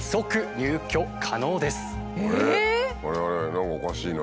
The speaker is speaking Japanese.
何かおかしいな。